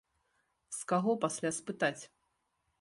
З каго пасля спытаць?